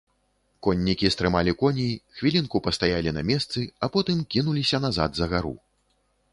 Коннікі стрымалі коней, хвілінку пастаялі на месцы, а потым кінуліся назад, за гару.